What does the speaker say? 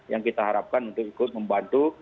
yang kita harapkan untuk ikut membantu